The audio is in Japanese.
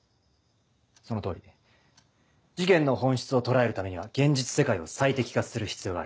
その通り。事件の本質を捉えるためには現実世界を最適化する必要がある。